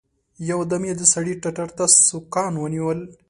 يو دم يې د سړي ټتر ته سوکان ونيول.